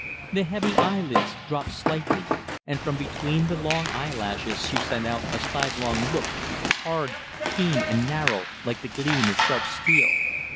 The heavy eyelids dropped slightly, and from between the long eyelashes she sent out a sidelong look: hard, keen, and narrow, like the gleam of sharp steel.